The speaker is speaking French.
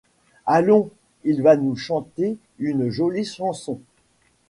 Allons, il va nous chanter une jolie chanson !